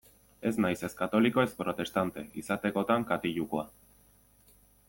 Ez naiz ez katoliko ez protestante; izatekotan katilukoa.